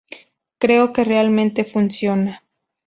Creo que realmente funciona".